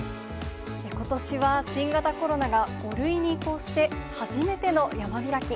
ことしは新型コロナが５類に移行して、初めての山開き。